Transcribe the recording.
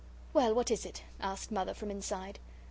"Well, what is it?" asked Mother from inside.